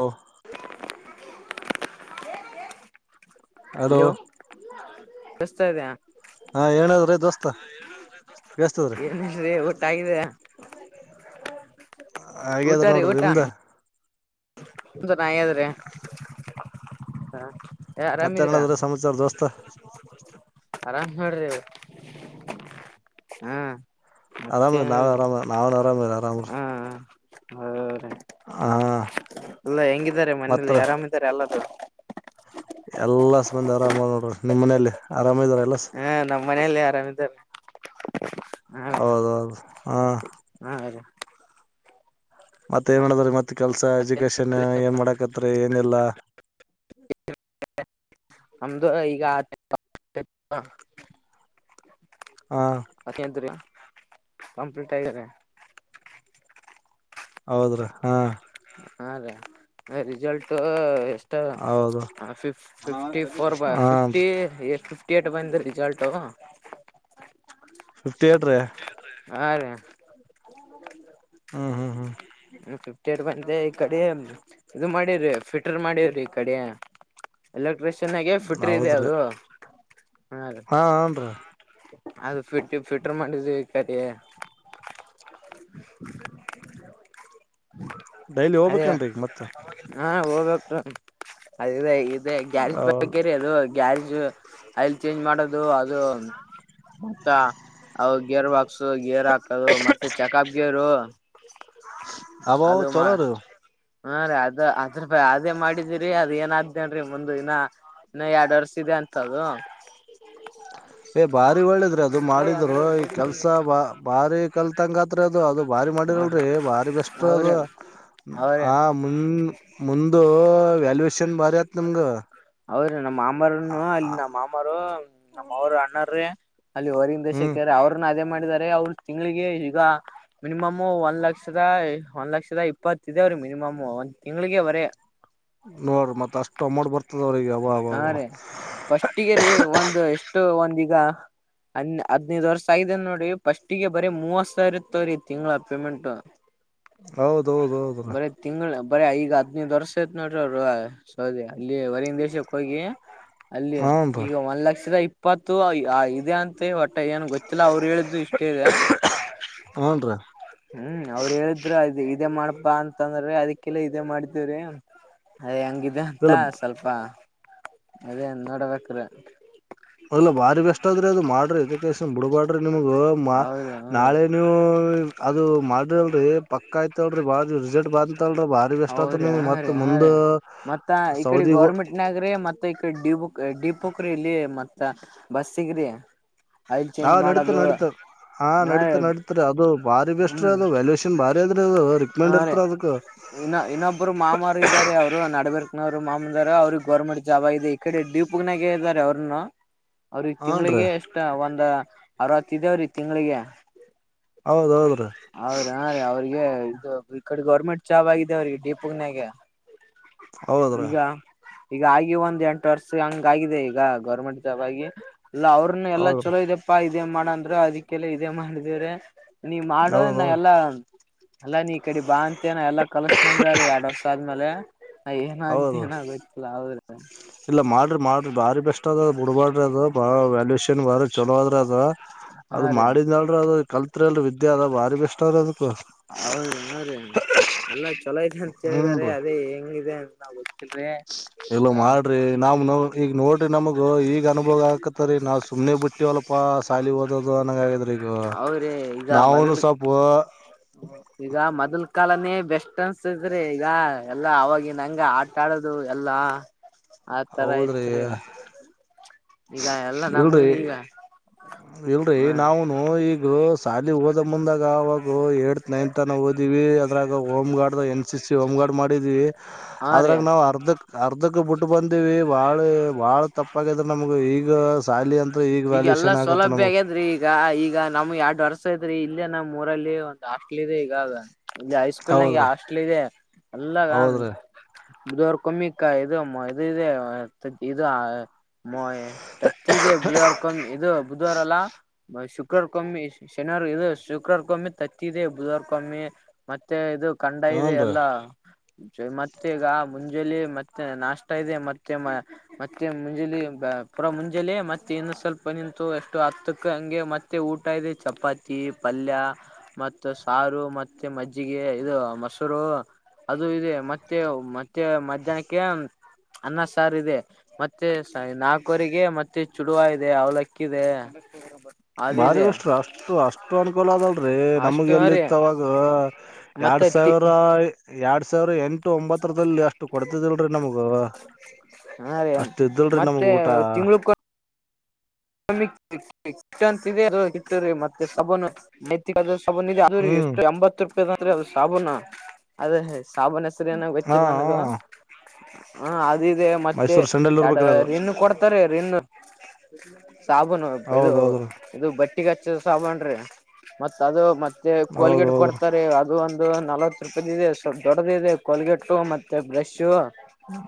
ಹ ಹಲೋ ಆಯೋ. [unintelligible] ತವ್ಯ ಹಾ, ಏನಾದ್ರಿ, ದೋಸ್ತ, ಕೆಲ್ಸಾದ್ರಿ, ಏನಿಲ್ರಿ ಊಟ ಆಗಿದೆ ಊಟ ಹಾಗಾದ್ರ ನೋಡ್ರಿ, ನಿಮ್ದ.. [inaudible] ಅಂದ್ರೆ, ನಾ, ಹೆಧುರಿ. [inaudible] ಹ್ಮ.. [inaudible] ಮತ್ತೆನಾದ್ರ, ಸಂಚಾರದ ದೋಸ್. [inaudible] ತ್ತ ಆರಾಮ್ ಮಾಡೋ್ರಿ ಹಾ ಆರಾಮೇ, ನಾವೇ ಮತ್ತೇನಿಲ್ಲ ಆರಾಮ ನಾವನ್ ಆರಾಮೇ ಆರಾಮ್ರ. [inaudible] ಹೌ, ರಾ. [inaudible] ಹಾ ಎಲ್ಲ ಹೆಂಗಿದ್ದಾರೆ ಮನೇಲಿ ಆರಾಮಿದ್ದಾರೆ ಎಲ್ಲದು ಎಲ್ಲ ಸ ಬಂದಿ ಆರಾಮ ನೋಡ್ರಿ ನಿಮ್ ಮನಲಿ ಆರಾಮ ಇದಾರ ಎಲ್ಲ ಹಾ, ನಮ್ಮ, ಮನೆಯಲ್ಲಿ ಆರಾಮಿದ್ದಾರೆ, ಹಾ. ಹೌದೌದು [unintelligible] ಹಾ. [unintelligible] ಹಾ ರೀ ಮತ್ತ ಏನ್ ಮಾಡದ್ರ ಮತ್ತ ಕೆಲ್ಸ ಎಜುಕೇಶನ್ ಏನ್ ಮಾಡಕತ್ರಿ ಏನಿಲ್ಲ ನಮ್ದು, ಈಗ. [unintelligible] ಹಾ ಮತ್ತೆ ಅಂತ್ರಿ. [inaudible] ಕಂಪ್ಲೀಟ್ ಆಗಿಯಾರೇ. [unintelligible] ಹೌದ್ರ, ಹಾ. [inaudible] ಹಾ, ರಿ, ರಿಸಲ್ಟ್. [inaudible] ಟ್ರ, ಹೌದು ಟ್ರಾಫಾ, ಫಿಫ್ಟಿ, ಫಿಫ್ಟಿಫುರ್ಬರ್, ಹಾ ಫಿಫ್ಟಿ. [unintelligible] ರಿಸಲ್ಟ್ ಬಂದಿದ್ದು ರಿಸಲ್ಟ್ ಫಿಫ್ಟಿ ಏಟ್ ರೆ ಹಾ ರೀ ಹ್ಮ್ ಹ್ಮ್ ಹ್ಮ್ ಫಿ ಫಿಫ್ಟಿ ಏಟ್ ಬಂದೆ ಈ ಕಡೆ ಅಂದು ಜುಮಾಡಿವ್ರಿ ಫಿಟರ್ ಮಾಡಿವ್ರಿ ಈ ಕಡೆ ಎಲ್ಲ ಪ್ರಿ ಚೆನ್ನಾಗೆ ಫುಟ್ರ ಇದೆ ಹೌದ್ರಿ ಅದು ಹಾ ಹನ್ದ್ರಿ ಅದು ಫಿಟ್ಟ ಫಿಟ್ರ ಮಾಡಿದ್ವಿ ಈ ಕಡೆ ಡೈಲಿ ಅದೇ ಹೋಗ್ಬೇಕೇನ್ರೀ ಈಗ ಮತ್ತ ಹಾ ಹೋಗ್ಬೇಕ ಅದಗೆ ಅ ಗ್ಯಾಸ್ ಹೌದ್ ಬಗ್ಗೆರೆ ಅದು ಗ್ಯಾಸ್. ಐಲ್ ಚೇಂಜ್ ಮಾಡೋದು ಅದು ಮತ್ತ ಅ ಗೇರ್ ಬಾಕ್ಸ್ ಗೇರ್ ಹಾಕೋದ ಅದು ಮತ್ತೆ ಚೆಕಪ್ ಗೇರು ಹ ಅಬ ಚಲೋ ರ ಹಾ ಅದ ಅದ್ರ ಅದೇ ಮಾಡಿದಿರಿ ಅದ ಏನಾದ್ದೇನ್ರೀ ಮುಂದ ಇನ್ನ ಇನ್ನ ಎರಡ್ ವರ್ಷ ಇದೆ ಅಂತ ಅದು. ಏ ಬಾರಿ ಒಳ್ಳದ್ರಿ ಅದು ಹ ಮಾಡಿದ್ರು ಈ ಕೆಲ್ಸ ಬಾ ಬಾರಿ ಕಲ್ತಂಗತ್ರಿ ಅದು ಅದು ಭಾರಿ ಮಾಡಿರಲ್ರರಿ ಬಾರಿ ಬೆಸ್ಟ್ ಅವ್ರೇ ಅದು ಅವ್ರೇ ಆ ಮುಂದ ಮುಂದ ವ್ಯಾಲ್ಯಯೇಶನ್ ಬಾರಿ ಆತ್ ನಿಮಗ ಅವ್ರ ನಮ್ಮ ಮಾಮಾರನು ಅಲ್ಲಿ ನಮ್ಮ ಮಾಮರು ನಮ್ಮ್ ಅವರು ಅಣ್ಣ್ರೇ ಅಲ್ಲಿ ರಿಂದ ಹ್ಮ್ ಶೆಕ್ಯಾರೆ ಅವ್ರನ್ನ ಅದೇ ಮಾಡಿ ಅವರು ತಿಂಗ್ಳಿಗೆ ಈಗ ಮಿನಿಮಮು ಒಂದ್ ಲಕ್ಷದ ಒಂದ್ ಲಕ್ಷದ ಇಪ್ಪತ್ತ ಇದೆ ಅವ್ರ ಮಿನಿಮಮ್ ಒಂದ್ ತಿಂಗಳಿಗೆ ಅವರೇ ನೋಡ್ರಿ ಮತ್ತ ಅಷ್ಟು ಅಮೌಂಟ್ ಬರ್ತದ ಅವ್ರಿಗೆ ಹಾ ಅವ ರೀ ಫಸ್ಟಿಗೆ ರೀ ಒಂದು ಎಷ್ಟು ಒಂಡು ಈಗ ಹದ್ನೈದು ವರ್ಷ ಆಗಿದೆನ ನೋಡಿ ಫಸ್ಟಿಗೆ ಬರೀ ಮೂವತ್ ಸಾವಿರ ಇರ್ತವ್ರೀ ತಿಂಗಳ ಪೇಮೆಂಟ್ ಹೌದೌದೌದ ಬರ ಈಗ ಹದ್ನೈದು ವರ್ಸ ಐತ್ ನೋಡ್ರ ಅವ್ರು ಅಲ್ಲಿ ಹೊರಗಿನ್ ದೇಶ [unintelligible] ಅಲ್ಲಿ ಹನ್ರಿ ಈಗ ಒಂದ್ ಲಕ್ಷದ ಇ ಇಪ್ಪತ್ತು ಇದೆ ಅಂತೆ ಒಟ್ಟ ಏನ್ ಗೊತ್ತಿಲ್ಲ ಅವ್ರು ಹೇಳಿದು ಇಷ್ಟೇ ಇದೆ ಹನ್ರಿ ಹ್ಮ್ ಅವ್ರ ಹೇಳಿದ್ರರು ಅದ ಇದೇ ಮಾಡ್ಪಾ ಅಂತಂದ್ರ ಅದಕ್ಕೆಲ್ಲ ಇದೇ ಮಾಡಿದೇವ್ರೀ ಅದ ಹೆಂಗ ಇದೆ ಅಂತ ಇಲ್ಲ ಸ್ವಲ್ಪ ಅದೇ ನೋಡಬೇಕ್ರಿ ಅದಲ್ಲ ಬಾರಿ ಬೆಸ್ಟ್ದ್ರಿ ಅದು ಮಾಡ್ರಿ ಎಜುಕೇಶನ್ ಬಿಡ್ಬಾಡ್ರಿ ನಿಮಗ ನಾಳೆ ನೀವು ಅದು ಮಾಡ್ರಿ ಅಲ್ರಿ ಪಕ್ಕ ಆಯ್ತಲ್ರಿ ಬಾಳ ರಿಸಲ್ಟ್ ಬಂತಲ್ರಿ ಬಾರಿ [unintelligible] ಬೆಸ್ಟ್ ಆತ್ ಹೌದ್ರೀ ನಿಮ್ ಹಾ ಮತ್ ರೀ ಹಾ ಮುಂದ ರೀ ಮತ್ತ ಈ ಸೌದಿಗ ಗೌರ್ಮೆಂಟ್ನಗ್ರಿ ಮತ್ತ ಈಡೆ ಡಿಬುಕ್ ಡಿಪುಕ ಇಲ್ಲಿ ಮತ್ ಬಸ್ ಸಿಗ್ರಿಯಾ ಹಾ ನಡೀತ ನಡತ ಹಾ ನಡೀತ ನಡತ್ರಿ ಅದು ಬಾರಿ ಬೆಸ್ಟ್ ಹ್ಮ್ ವ್ಯಾಲ್ಯಷನ್ ಭಾರಿ ಅದ್ರ ಅದು ಹಾ ರಿಕ್ಮಂಡ್ ರೀ ಇರ್ತ ಅದಕ್ ಇನ್ನ ಮೂವರು ಮಾಮನಾರ ಅವ್ರಿಗೆ ಗೌರ್ಮೆಂಟ್ ಜಾಬ್ ಆಗಿದೆ ಈ ಕಡೆ ಡಿಪುಗ್ನಾಗ ಇದಾರೆ ಅವ್ರನು ಅವ್ರಿಗೆ ಈ ಹನ್ರಿ ತಿಂಳಿಗೆ ಎಷ್ಟ ಒಂದ ಅರವತ್ ಇದೇವ್ರೀ ತಿಂಗಳಿಗೆ ಹೌದೌದ್ರೀ ಅವ್ರ ಅವ್ರಿಗೆ ಇದು ಈ ಕಡೆ ಗೋರ್ಮೆಂಟ್ ಜಾಬ್ ಆಗಿದೆ ಅವ್ರಿಗೆ ಡಿಪುಗನ್ಯಾಗ ಹೌದ್ರಾ ಈಗ ಆಗಿ ಒಂದ್ ಎಂಟು ವರ್ಷ ಹಂಗ ಆಗಿದೆ ಈಗ ಗೌರ್ಮೆಂಟ್ ಜಾಬ್ ಆಗಿ ಅಲ್ಲ ಅವ್ರನ್ನ ಎಲ್ಲ ಹೌದ್ರಿ ಚಲೋ ಇದಪ್ಪಾ ಇದೇ ಮಾಡಂದ್ರರು ಅದಕ್ಕೆಲ್ಲ ಇದೇ ಮಾಡಿದೇವ್ರಿ ನೀ ಹೌದ್ರಿ ಮಾಡೋ ನಾ ಹೌದೌದ್ ಎಲ್ಲಾ ಎಲ್ಲಾ ನೀ ಈ ಕಡೆ ಬಾ ಅಂತ ನನ್ ಎಲ್ಲಾ ಕಲಸ್ತಂದೀ ಎರಡ್ ವರ್ಷ ಆದ್ಮೇಲೆ ನಾ ಏನ ಆಗ್ತಿ ಹೌದು ಏನ ಗೊತ್ತಿಲ್ಲ ಹೌದ್ರಿ [inaudible] ಇಲ್ಲ ಮಾಡ್ರಿ ಮಾಡ್ರಿ ಬಾರಿ ಬೆಸ್ ಆದ ಬಿಡ್ಬಾಡ್ರಿ [unintelligible] ವಲ್ಯೂಷನ್ ಬಾರಿ ಚಲೋ ಅದ್ರೆ ಅದ ಹಾ ಅದು ರೀ ಮಾಡಿದ ಅಲ್ ಅದು ಕಲ್ತ್ರಿ ಅಲ್ ಅ ಅದ ಬಾರಿ ಬೆಸ್ಟ್ ದ ಅದು ಹೌದನೋರ್ ರಿ ಎಲ್ಲ ಚಲೋ ಇದೆ ಅಂತೇಳಿದಾರೆ ಅದೇ ಹೆಂಗಿದೆ [inaudible] ಎಲ್ಲೋ ಮಾಡ್ರಿ ನಾವ್ ನ ಈಗ ನೋಡ್ರಿ ನಮಗು ಈಗ ಅನುಭವ ಆಕತ್ತರಿ ನಾವ್ ಸುಮ್ನೆ ಬಿಟ್ಟಿ ಹೊಲ್ಪ ಸಾಲಿ ಓದದು ಅನಂಗ ಆಗಿದ್ರಿ ಈಗ ಅವ್ರಿ ಈಗ ನಾವನು ಮೊದಲ್ ಸ್ವಪ ಈಗ ಮೊದಲ್ಕ್ ಕಾಲಾನೇ ಬೆಸ್ಟ್ ಅನ್ಸತತ್ರಿ ಈಗ ಎಲ್ಲಾ ಅವವಾಗಿ ನಂಗ ಆಟ ಆಡದು ಎಲ್ಲಾ ಆತರ ಹೌದ್ರಿ ಐತ್ ರೀ ಈಗ ಎಲ್ಲ ನಮ್ಗನ ಈಗ ಇಲ್ರರಿ ಹ ನಾನು ಈಗ್ ದು ಶಾಲಿ ಹೋದ ಮುಂದಾಗ್ ನವಗ ಏ ನೈನ್ತ್ ಓದಿವವಿ ಅದ್ರಾಗ home guard N C C home guard ಮಾಡಿದೀವಿ ಅದ್ರಾಗ ನಾವು ಅರ್ಧಕ್ ಅರ್ಧಕ್ ಬಿಟ್ಟ ತಪ್ಪಾಗಿದ್ರ ನಮ್ಗ ಈಗ ಸಾಲಿ ಅಂತ ಈಗ ಈಗಲ್ಲಾ ವ್ಯಾಲ್ಯೂಷನ್ ಆಗತ್ತ ಸೌಲಭ್ಯ ನಮಗ್ ಆಗ್ಯದ್ರಿ ಈಗ ಈಗ ನಮ್ ಎರಡು ವರ್ಸ ಐ್ರ ಇಲ್ಲೇ ನಮ್ ಮೂರಲ್ಲಿ ಒಂದು ಅಸ್ಟೇಲಿ ಇದೆ ಈಗಾಗ ಇ ಹೈಸ್ಕೂಲ್ ನಾಗ ಹೌದ್ರಿ ಹಾಸ್ಟೆಲ್ ಇದೆ ಅಲ್ಲಗ ಹೌದ್ರಿ ಇದವರ್ ಕಮ್ಮಿಕ್ಕ ಇದು ಇದುಇದೆ ಇದು ಮೊಯ್ ತತ್ತದೇ ಬುಧವಾರಕ ಒಂದ್ ಇದು ಬುಧವಾರ ಎಲ್ಲಾ ಮ ಶುಕ್ರವಾರ ಕಮ್ಮಿ ಶನಿವಾರ ಇದು ಶ ಕುಕ್ರರ್ ಕಮ್ಮಿ ತತ್ತಿದೆ ಬುದವರ್ ಕಮ್ಮಿ ಮತ್ತೆ ಇದು ಕಂಡ ಇದೆ ಹನ್ರಿ ಎಲ್ಲಾ ಮತ್ತೆ ಈಗ ಮುಂಜಾನೆ ಮತ್ತೆ ನಾಷ್ಟ ಇದೆ ಮತ್ತೆ ಮತ್ತೆ ಮುಂಜಲಿ ಪುರಾ ಮುಂಜಳೆ ಮತ್ತೆ ಇನ್ನ ಸ್ವಲ್ಪ ನಿಂತು ಎಷ್ಟು ಹತ್ತಕ್ಕ ಹಂಗೆ ಮತ್ತೆ ಊಟ ಇದೆ ಚಪಾತಿ ಪಲ್ಯ ಮತ್ತ ಸಾರು ಮತ್ತೆ ಮಜ್ಜಿಗೆ ಇದು ಮೊಸರು ಅದು ಇದೆ ಮತ್ತೆ ಮತ್ತೆ ಮಧ್ಯಾಹ್ನಕ್ಕೆ ಅನ್ನ ಸಾರು ಇದೆ ಮತ್ತೆ ನಾಲ್ಕವರಿಗೆ ಮತ್ತೆ ಚುಡುವ ಇದೆ ಅವ್ಲಕ್ಕ ಇದೆ ಭಾರಿ ಅದಿದೆ ಬಷ್ಟ್ರ ಅಷ್ಟು ಅಷ್ಟು ಅನುಕ [unintelligible] ನಮಗೆ ಅಷ್ಟು ರೀ ಎಲ್ಲಿತ್ತಾವಾಗ ಎರಡ್ ಮತ್ತೆ ಸಾವಿರ ಎಡ್ ಸವಿರ್ ಎಂ ಎಟ್ಟು ಒಂಬತ್ತರದಲ್ಲಿ ಅಷ್ಟು ಕೊಡ್ತಿದ್ದಿಲ್ರರಿ ನಮಗ ಹಾ ರೀ ಅಷ್ಟ ಇದ್ದಲ್ರಿ ನಮಗ ಮತ್ತೆ ಊಟ ತಿಂಗಳಕ್ಕ [unintelligible] ಮತ್ತೆ ಸಭನು ನೈತ್ತ [unintelligible] ಹ್ಮ್ ಎಷ್ಟು ಎಂಬತ್ತು ದ್ರೆ ಅದು ಸಾಬುನ ಅದೇ ಸಾಬುನ ಹೆಸರೆನ ಹಾ ಗೊತ್ತಿಲ್ ನನಗ ಹಾ ಅ ಅ ಇದೆ ಮತ್ತೆ ಮೈಸೂರ್ ಸಂಡಲ್ ಎರ ಇರ್ಬೇಕ್ರಿ ಅದು ರಿನ್ ಕೊಡ್ತಾರೆ ರಿನ್ ಸಾಬೂನು ಇದು ಹೌದ್ ಹೌದ್ರಿ ಇದು ಬಟ್ ಬಟ್ಟಿಗೆಚ್ಚ ಸಾಬನ್ ರೀ ಮತ್ತ ಅದು ಮ ಮತ್ತೆ ಹೌದ್ ಕೋಲ್ಗಟ್ ಹೌದ್ರಿ ಕೊಡ್ತಾರೆ ಅದು ಒಂದು ಇದು ನಲವತ್ ರೂಪಾಯ ಇದೆ ಸ್ವಲ್ಪ ದೊಡ್ಡದ ಇದೆ ಕೊಲ್ಗಟ್ಟು ಮತ್ತೆ ಬ್ರಷ್ ಹ್ಮ್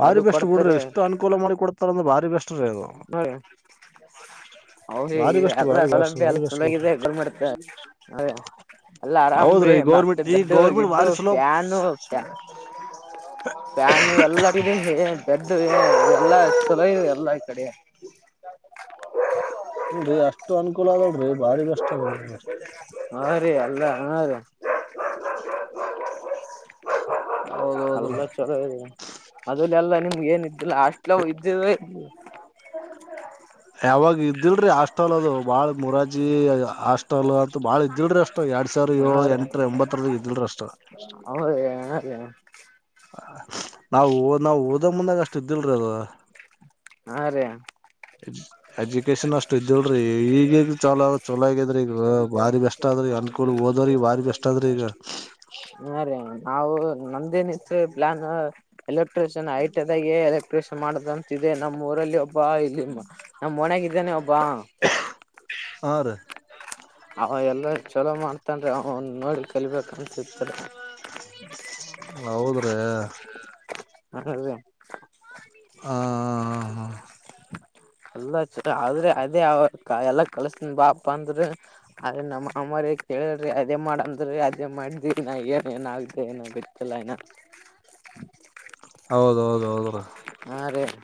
ಬಾರಿ ಅದು ಬೆಸ್ಟ್ ಬಿಡ್ರಿ ಕೊಡ್ತಾರೆ ಎಷ್ಟು ಅನುಕೂಲ ಮಾಡಿ ಕೊಡ ಬಾರಿ ಬೆಸ್ಟ್ ರೀ ಅದು ಬಾರಿ ಈಗ ಸೌಲಭ್ಯ ಎಲ್ಲ ಫ್ಯಾನು ಹಿಂಗ ಬೆಸ್ಟ್ ಎಲ್ಲ ಬಾರಿ ಬೆಸ್ಟ್ ಸೌಲಭ್ಯ ಬಾರಿ ಬೆಸ್ಟ್ ಬಿಡ್ರಿ ಚನಾಗಿದೆ ರೀ ಗವರ್ನಮೆಂಟ್ ಎಲ್ಲ ಆರಾಮ್ರಿ ಹೌದ್ರಿ ಮತ್ತೆ ಗೌರ್ಮೆಂಟ್ ಈ ಬೆಡ್ ಗೌರ್ಮೆಂಟ್ ಗಿಡ್ಡು ಬಾರಿ ಚಲೋ ಫ್ಯಾನು ಎಲ್ಲ ಬಿರೆ ಹೇಳಿದೆ [inaudible] ಬೆಡ್ ರೀ ಎಲ್ಲ ಚೊಲೋ ಅದ ಎಲ್ಲ ಕಡೆ ಇಲ್ರಿ ಅಷ್ಟು ಅನುಕೂಲ ಅದ ಅಲ್ರಿ ಬಾರಿ ಬೆಸ್ಟ್ ಅದ ಬಿಡ್ರಿ ಹಾ ರೀ ಅಲ್ಲ ಹಾ ರ [inaudible] ಹೌದೌದ್ರೀ ಅಲ್ಲ ಚಲೋ ಇದೆ ಅದ ಎಲ್ಲ ನಿಮ್ಗೆ ಏನ ಇಲ್ಲ ಹಾಸ್ಟೆಲ್ ಅವು ಇದ್ದಿವೆ ಇಲ್ರಿ ಅಷ್ಟ ಅಲ್ ಅದು ಬಾಳ ಮುರಾಜ್ ಜಿ ಹಾಸ್ಟೆಲ್ ಅಂತ ಬಾಳ ಇದ್ದಿಲ್ರಿ ಅಷ್ಟ್ ಎರಡ್ ಸಾವಿರ ಏಳು ಹಾ ರೀ ಎಂಟರ ಒಂಬತಾರಾಗ ಇದ್ದಿಲ್ರಿ ಅಷ್ಟ ಹ ನಾವು ನಾವು ಓದ ಮುಂದಾ ಅಷ್ಟ ಇದ್ದಿಲ್ರಿ ಅದು ಹಾ ರೀ ಹ್ಮ ಚಲೋ ಚಲೋ ಆಗಿದ್ರಿ ಈಗ ಬಾರಿ ಬೆಸ್ಟ್ ಆದ್ರಿ ಅನ್ಕೂಲ್ ಓದೋ್ರಿಗೆ ಬಾರಿ ಬೆಸ್ಟ್ ಆದ್ರಿ ಈಗ ಹಾ ರೀ ನಾವು ನಂದೇನ ಸೇಬ್ಲಾನ [unintelligible] electrician I T I press ಮಾಡಿದಂತಿದೇ ನಮ್ಮ ಊರಲ್ಲಿ ಬಾ ಇಲ್ಲಿಮ್ಮ ನಮ್ಮ ಓಣ್ಯಗ ಇದ್ದಾನ ಒಬ್ಬ. ಹಾ ರೀ ಅವ ಎಲ್ಲಾ ಚಲೋ ಮಾಡ್ತಾ ಇತ್ತಂದ್ರೆ ಅವ ನೋಡಿ ಕಲಿಬೇಕು ಅನ್ಸತ ರೀ ಹೌದ್ರೀ ಹ [inaudible] ಹ್ ಹಾ ಹಾ ಹಾ ಅಲ್ಲ ಆದ್ರೆ ಅದೇ ಅವರ್ ಎಲ್ಲಾ ಕಲ್ಸನ್ ಬಾಪ ಅಂದ್ರ ಅ್ರ ನಮ್ಮ ಅಮ್ಮರಿ ಕೇಳ್ರಿ ಅದೇ ಮಾಡಂದ್ರಿ ಅದೇ ಮಾಡ್ದಿ ನ ಏನ್ ಏನ್ ಆಗದೆ ಏನ ಬಿತ್ತಲ್ಲ ಇನ್ನ. ಹೌದೌದ ಹೌದ್ರಿ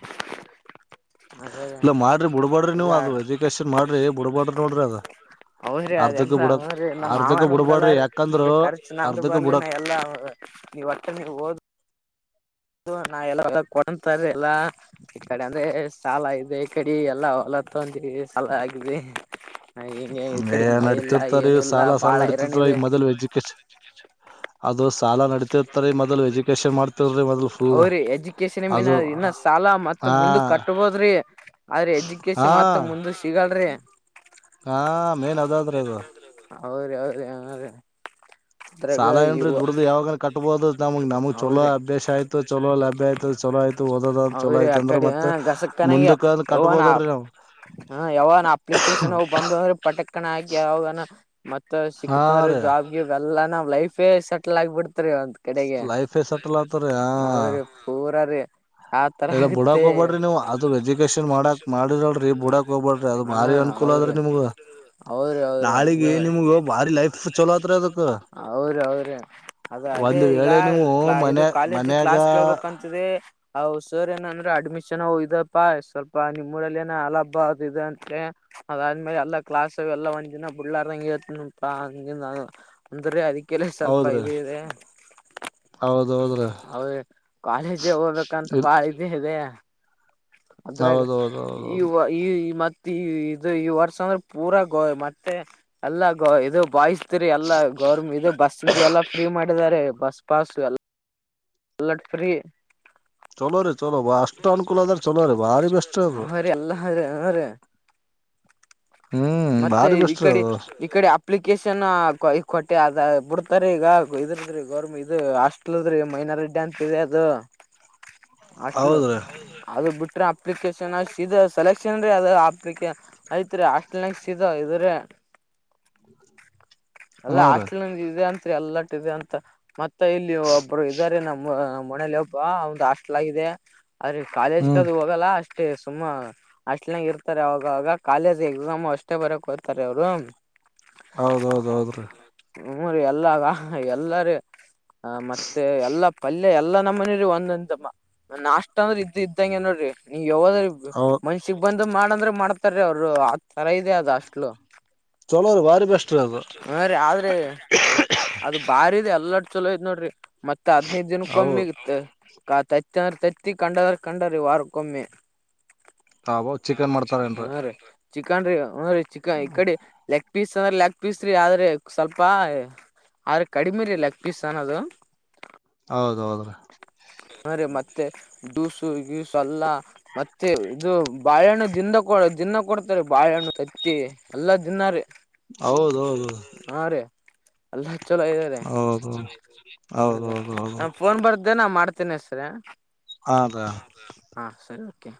[inaudible] [unintelligible] ಮಾಡ್ರಿ ಬಿಡ್ಬಾಡ್ರಿ ನೀವು ಅದು ಎಜುಕೇಶನ್ ಮಾಡ್ರಿ ಬಿಡ್ಬಾಡ್ರಿ ನೋಡ್ರಿ ಅದ ಹೌದ್ರಿ ಅರ್ಧಕ್ಕ ಅದೆಲ್ಲ ಬಿಡಕ್ ಅವ್ರ ನಮ್ಮ್ ಅರ್ಧಕ್ಕ ಮಾವನ ಬಿಡ್ಬ್ಯಾಡ್ರಿ ಯಾಕಂದ್ರ ಬಿಡಲ್ಲಾರೀ ಖರ್ಚು ನಂದು ಅರ್ಧಕ್ಕ ಬರ್ಲಿನ ಬಿಡಕ್ ಎಲ್ಲೂ ನೀವ್ ಒಟ್ಟ ನೀವು ಹಓದು. ಅದು ನಾವು ಎಲ್ಲಾ ಕೊಡಂತಾರ ಎಲ್ಲಾ ಈ ಕಡೆ ಅಂದ್ರೆ ಸಾಲ ಇದೆ ಕಡೆ ಎಲ್ಲಾ ಹೊಲ ತಂದ ಸಾಲ ಆಗಿದೆ. ಹಿಂಗೆ ಈ ಏ ಕಡೆ ಮಳೆ ಇಲ್ಲ ನಡತಿರ್ತಾರೀ ಏನು ಇಲ್ಲ ಸಾಲ ಸಾಲ ಬಾಳ ಹೈರಾಣ ನಡತಿರ್ತಾರ ಈ ಇದೆ ಮೊದಲ್ ಎಜುಕೇಶನ್. ಅದು ಸಾಲ ನಡತಿರ್ತಾರ ಈ ಮೊದಲ್ ಎಜುಕೇಶನ್ ಮಾಡ್ತವ್ರಿ ಮೊದಲ್ ಫುಲ್ ಅವ್ರಿ ಎಜುಕೇಶನ್ ಮೀನ್ ಅದು ಇನ್ನ ಸಾಲ ಮತ್ತ್ ಹಾ ಮುಂದ್ ಕಟ್ಬೋದ್ರಿ ಆದ್ರ ಹಾ ಎಜುಕೇಶನ್ ಮತ್ ಮುಂದಕ್ ಸಿಗಲ್ರಿ. ಹಾ ಮೇನ್ ಅದಾದ್ರೆ ಅದು. ಹೌದು ಹೌದ್ ರಿ ಹಾ ರಿ ಸಾಲ ಏನ್ರೀ ದುಡಿದ್ದು ಯಾವಾಗ್ ಹೌದ್ರ ಆಯ್ತು ಚಲೋ ಲಭ್ಯ ಆಯ್ತು ಚಲೋ ಆಯ್ತು ಓದೋದ ಚಲೋ ಹೌದ್ರಿ ಆಯ್ತು ಆ ಅಂದ್ರ ಕಡೆ ಹ ಮತ್ ಗಸ ಕನ ಮುಂದಕ್ಕ ಯಾವ ಕಟ್ಬೋದಲ್ರಿ ನಾವ್ ಹ ಯಾವನಾ ಅಪ್ಲಿಕೇಶನ್ ಬಂದಂದ್ರೆ ಪಟಕ್ ಕಣ ಹಾಕಿ ಯಾವಾಗನ ಮತ್ತ ಹಾ ಸಿಕ್ತ್ಂದ್ರೆ ರೀ ಜಾಬ್ಗೆ ಇಲ್ಲ. ಎಲ್ಲಾ ನಾವ್ ಲೈಫೇ ಸೆಟಲ್ ಆಗ್ಬಿಡ್ತು [unintelligible] ಕಡೆಗೆ ಲೈಫೇ ಸೆಟಲ್ ಆತರಿ ಹಾ ಹೌದ್ರೀ ಪೂರ್ ರೀ ಆತರ ಎಲ್ಲ ಬುಡಾಕ್ ಆಗುತ್ತೆ ಹೋಗ್ಬ್ಯಾಡ್ರಿ ನೀವು ಅದು ಎಜುಕೇಶನ್ ಮಾಡಾಕ್ ಮಾಡಿರಲ್ರಿ ಬುಡಾಕ್ ಹೋಗ್ಬ್ಯಾಡ್ರಿ ಅದು ಹ ಭಾರಿ ಅನುಕೂಲ ಹೌದ್ರಿ ಅದ್ರಿ ನಿಮ್ಗ ಹೌದ್ರಿ ಹೌದ್ರಿ ನಾಳಿಗಿ ನಿಮ್ಗ ಭಾರಿ ಲೈಫ್ ಚಲೋ ಆತ್ರಿ ಅದಕ್ಕ ಹೌದ್ರಿ ಅದ ಅದೇ ಒಂದ್ ಈಗ್ ವೇಳೆ ನೀವು ಇ ಮನ್ಯ ಕಾಲೇಜ್ ಮನ್ಯಾಗ ಕ್ಲಾಸ್ ಕೇಳಬೇಕು ಅಂತಿದೆ ಸರ್ ಏನಂದ್ರೆ ಅಡ್ಮಿಷನ್ ಇದಪ್ಪಾ ಸ್ವಲ್ಪ ನಿಮ್ಮ ಊರಲ್ಲಿ ಏನು ಅಲಾಭ ಅದು ಇದೆ ಅಂತೆ ಅದಾದ್ಮೇಲೆ ಎಲ್ಲ ಕ್ಲಾಸ್ವು ಎಲ್ಲ ಒಂದ್ ಬಿಡ್ಲಾರ ಹಂಗತ್ತಪಾ ಹ ಅಂದ್ರ ಅದಕ್ಕೆ. ಕೆಲಸ ಸ್ವಲ್ಪ ಹೌದ್ರಿ ಇದ್ ದೆ ಹೌದೌದ್ರಿ ಅವರಿಗೆ ಕಾಲೇಜಿಗೆ ಹೋಗ್ಬೇಕಂತ ಇಲ್ ಬಾಳ ಇದ್ದೇ ಇದೆ ಅದ್ರಾಗ ಹೌದೌದೌದು ಈ ಈ ಮತ್ತ್ ಇದು ಈ ವರ್ಷ ಅಂದ್ರೆ ಪೂರಾ ಗೋ ಮತ್ತೆ ಎಲ್ಲಾ ಇದು ಮತ್ತೆ ಬಾಯ್ಸ್. ಎಲ್ಲಾ ಗೌರ್ ಇದು ಬಸ್ ಎಲ್ಲಾ ಫ್ರೀ ಮಾಡಿ. ಮಾಡಿದ್ದಾರೆ ಬಸ್ ಪಾಸ್ ಎಲ್ಲ [inaudible] ಚಲೋ ರೀ ಚಲೋ ಅಷ್ಟ್ ಅನುಕೂಲ ಅದ್ರ ಚಲೋ ರೀ ಭಾರಿ ಬೆಸ್ಟ್ ಅದು ಹ ರೀ ಎಲ್ಲಾ ಹರೀ ಹ್ಮ್ ಮತ್ತೆ ಭಾರಿ ಈ ಬೆಸ್ಟ್ ರೀ ಕಡೆ ಅದು ಈ ಕಡೆ ಅಪ್ಲಿಕೇಶನ್ ಕೊಟ್ಟೆ ಅದ ಬಿಡ್ ರೀ ಈಗ ಇದ್ರದ್ರಿ ಗೌರ್ಮ ಇ ಹಾಸ್ಟೆಲ್ದ್ರಿ ಮೈನಾರಿಟಿ ಅಂತ ಇದೆ ಅದು ಹಾಸ್ಟೆಲ್ ಹೌದ್ರಿ ಅದು ಬಿಟ್ರೆ ಅಪ್ಲಿಕೇಶನ್ ಅಷ್ಟ ಇದು ಸೆಲೆಕ್ಷನ್ ಅದ ಅಪ್ಲಿಕೇಶನ್ ಐತ್ರೀ ಅಷ್ಟ ಇದ್ರ ಅಲ್ಲ ಹ್ಮ್ ರೀ ಹಾಸ್ಟೆಲನ್ ಇದೆ ಎಂತ ಎಲ್ಲಟ್ಟ ಇದೆ ಅಂತ ಮತ್ತೆ ಇಲ್ಲಿ ಒಬ್ಬರು ಇದ್ದಾರೆ ನಮ್ಮ ನಮ್ಮ್ ಮನೇಲಿ ಒಬ್ಬ ಅವಂದ ಹಾಸ್ಟಲ್ ಆಗಿದೆ. ಆದ್ರ ಕಾಲೇಜ್ ಹ್ಮ್ ಕದು ಹೋಗಲ್ಲ ಅಷ್ಟ ಅಷ್ಟೇ ಸುಮ್ಮ ಹಾಸ್ಟೆಲ್ನಾಗ್ ಇರ್ತಾರೆ ಅವಾಗವಾಗ ಕಾಲೇಜ್ ಎಕ್ಸಾಮ್ ಅಷ್ಟೇ ಬರ್ಯಾಕ್ ಹೊತ್ತಾರಿ ಅವ್ರು. ಹೌದೌದೌದ್ರೀ. ಹೂಂ ರಿ ಎಲ್ಲಾ ಎಲ್ಲಾರೀ ಆ ಮತ್ತೆ ಎಲ್ಲಾ ಪಲ್ಯ ಎಲ್ಲಾ ನಮ್ಮನರಿ ಒಂದಂತಮ್ಮ ನಾಷ್ಟ ಅಂದ್ರೆ ಇದ್ದ ಇದ್ದಂಗೆ ನೋಡ್ರಿ. ಯಾವದರಿ ಹೌ ಮನ್ಸಿಗ ಬಂತ್ ಇದು ಮಾಡ ಅಂದ್ರೆ ಮಾಡ್ತಾರೀ ಅವ್ರು ಆದ್ ತರ ಇದೆ ಅದು ಹಾಸ್ಟ್ಲು ಚಲೋ ರೀ ಭಾರಿ ಬೆಸ್ಟ್ ರೀ ಅದು ಹ ರೀ ಆದ್ರೆ ಅದು ಬಾರಿದೆ ಅಲ್ಲ ಎಲ್ಲಡ್ ಚಲೋ ಐತ ನೋಡ್ರಿ. ಮತ್ತತ್ ಹದ್ನೈದು ದಿನಕೊಮ್ಮೆ ಹೌದ್ ಇರ್ತ್ತ ಕತಾಯ ತತ್ತಿ ಅಂದ್ರ ತತ್ತಿ ರಿ ಕಂಡ ಅಂದ್ರ ಕಂಡರೆ ವಾರಕೊಮ್ಮೆ. ತಾವೋ ಚಿಕನ್ ಮಾಡ್ತಾರ ಏನ್ರ? ಚಿಕನ್ ರೀ ಹುಂ ರಿ ಚಿಕ್ಕಾ ಇ ಕಡೆ ಎಕ್ ಪೀಸ್ ಅಂದ್ರೆ ಲೆಗ್ ಪೀಸ್ ರೀ ಆದ್ರೆ ಸ್ವಲ್ಪ ಆದ್ರೆ ಕಡಿಮೆ ರೀ ಲೆಗ್ ಪೀಸ್ ಅನ್ನೋದು. ಹೌದ ಹೌದ್ರ ಮತ್ತೆ ಡ್ಯೂಸು ಗ್ಯಸ ಎಲ್ಲಾ ಮತ್ತೆ ಇದು ಬಾಳೆಹಣ್ಣು ದಿಂದ ದಿನ್ನ ಕೊ ಕೊಡ್ತಾರೆ ಬಾಳೆಹಣ್ಣು ತತ್ತಿ ಎಲ್ಲ ದಿನ್ನ ರಿ. ಹೌದೌದದ ಅಲ್ಲ. ಚಲೋ ಇದೇರಿ ಹ ಹೌದೌದು ಹೌದು ರಿ ಫೋನ್ ಬರ್ ಇದೇ ನಾ ಮಾಡ್ತೇನೆ ಸರ್ ಹಾಂ ರ ಹಾ ಸರಿ ಕ